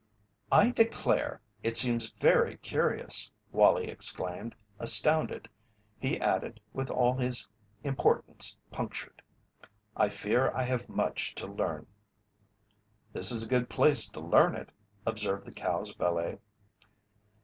"I declare! It seems very curious," Wallie exclaimed, astounded. He added, with all his importance punctured: "I fear I have much to learn." "This is a good place to learn it," observed the cow's valet.